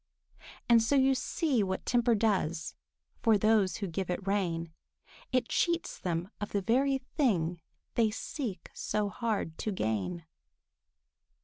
And so you see what temper does For those who give it rein; It cheats them of the very thing They seek so hard to gain.